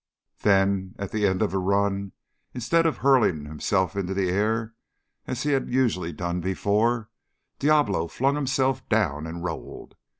Then, at the end of a run, instead of hurling himself into the air as he had usually done before, Diablo flung himself down and rolled.